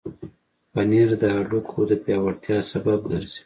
پنېر د هډوکو د پیاوړتیا سبب ګرځي.